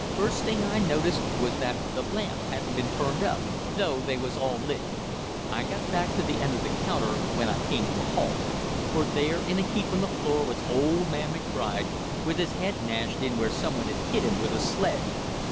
First thing I noticed was that the lamps hadn't been turned up, though they was all lit. I got back to the end of the counter when I came to a halt, for there in a heap on the floor was old man McBride, with his head mashed in where some one had hit him with a sledge.